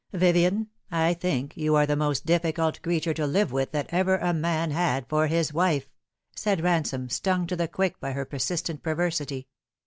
"Vivien, I think you are the most difficult creature to live with that ever a man had for his wife," said Ransome, stung to the quick by her persistent perversity.